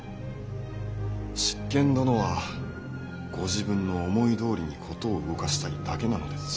執権殿はご自分の思いどおりに事を動かしたいだけなのです。